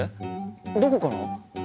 どこから？